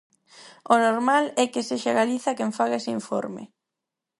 ¡O normal é que sexa Galiza quen faga ese informe!